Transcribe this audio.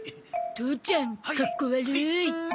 父ちゃんかっこ悪い。